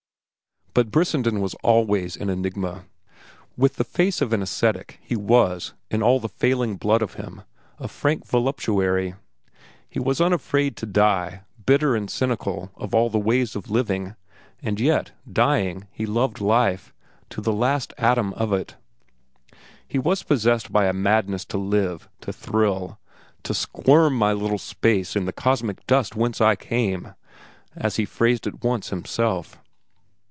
But Brissenden was always an enigma. With the face of an ascetic, he was, in all the failing blood of him, a frank voluptuary. He was unafraid to die, bitter and cynical of all the ways of living; and yet, dying, he loved life, to the last atom of it. He was possessed by a madness to live, to thrill, "to squirm my little space in the cosmic dust whence I came," as he phrased it once himself.